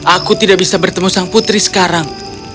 aku tidak bisa bertemu sang putri sekarang